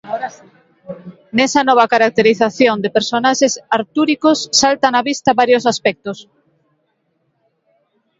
Nesa nova caracterización de personaxes artúricos saltan á vista varios aspectos.